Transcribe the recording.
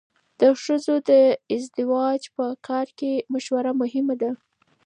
د ښځو د ازدواج په کار کې مشوره مهمه ده.